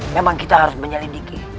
memang kita harus menyelidiki